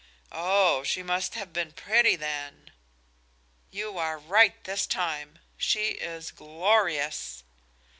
"Oh, she must have been pretty, then." "You are right this time. She is glorious."